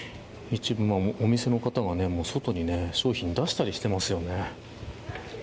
お店の方が外に商品を出していたりしますよね。